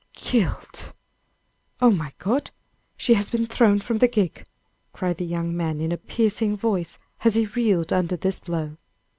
"Killed! Oh, my God! she has been thrown from the gig!" cried the young man, in a piercing voice, as he reeled under this blow.